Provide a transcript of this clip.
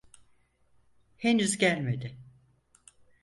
Henüz gelmedi.